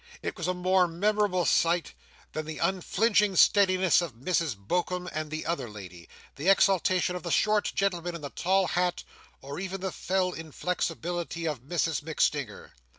It was a more memorable sight than the unflinching steadiness of Mrs Bokum and the other lady, the exultation of the short gentleman in the tall hat, or even the fell inflexibility of Mrs MacStinger.